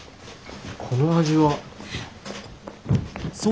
この味は。